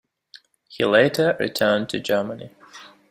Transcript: He later returned to Germany.